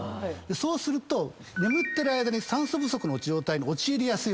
そうすると眠ってる間に酸素不足の状態に陥りやすい。